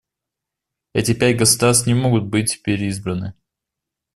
Эти пять государств не могут быть переизбраны.